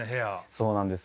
そうなんですよ。